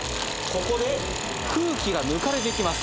ここで空気が抜かれていきます